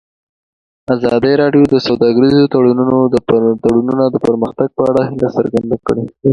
ازادي راډیو د سوداګریز تړونونه د پرمختګ په اړه هیله څرګنده کړې.